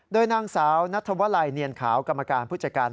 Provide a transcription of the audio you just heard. โดยนางสาวนัทวลัยเนียนขาวกรรมการผู้จัดการ